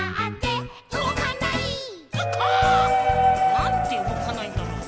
なんでうごかないんだろう？